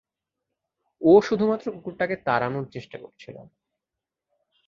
ও শুধুমাত্র কুকুরটাকে তাড়ানোর চেষ্টা করছিল।